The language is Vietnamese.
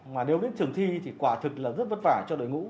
mà nếu đến trường thi thì quả thực là rất vất vả cho đội ngũ